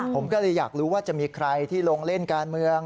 ผมก็เลยอยากรู้ว่าจะมีใครที่ลงเล่นการเมือง